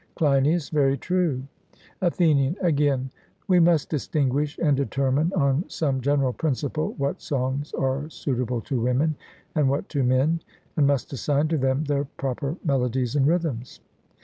CLEINIAS: Very true. ATHENIAN: Again, we must distinguish and determine on some general principle what songs are suitable to women, and what to men, and must assign to them their proper melodies and rhythms.